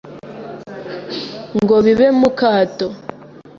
ngo bibe mu kato